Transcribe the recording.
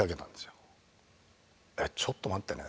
「えっちょっと待ってね」